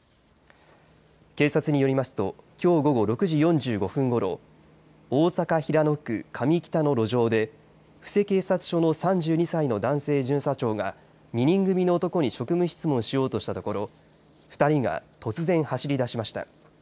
警察によりますときょう午後６時４５分ごろ大阪・平野区加美北の路上で布施警察署の３２歳の男性巡査長が２人組の男に職務質問しようとしたところ２人が突然走り出しました。